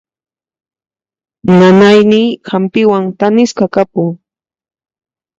Nanayniy hampiwan thanisqa kapun.